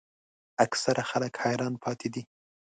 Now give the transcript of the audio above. اکثره خلک حیران پاتې دي.